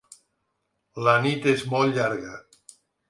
La nit és molt llarga.